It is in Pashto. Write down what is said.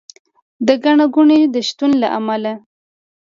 د ګڼه ګوڼې د شتون له امله